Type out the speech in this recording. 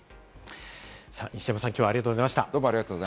西山さん、きょうはありがとうございました。